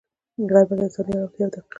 غرمه د انساني ارامتیا یوه دقیقه ده